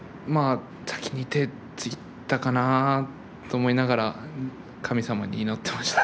先に手をついたかなと思いながら神様に祈っていました。